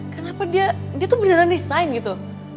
kenapa dia tuh beneran desain gitu